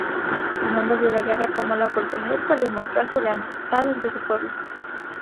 Hernando vio la guerra como la oportunidad para demostrar su lealtad ante su pueblo.